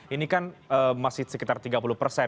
ini kan masih sekitar tiga puluh persen